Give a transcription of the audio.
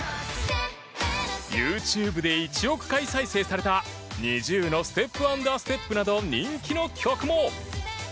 ＹｏｕＴｕｂｅで１億回再生されたＮｉｚｉＵの「Ｓｔｅｐａｎｄａｓｔｅｐ」など人気の曲も。